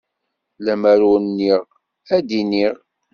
Lemmer ur nniɣ, ad d-iniɣ.